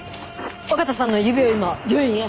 緒方さんの指を今病院へ。